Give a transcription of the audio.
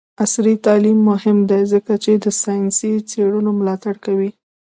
عصري تعلیم مهم دی ځکه چې د ساینسي څیړنو ملاتړ کوي.